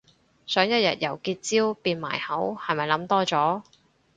想一日由結焦變埋口係咪諗多咗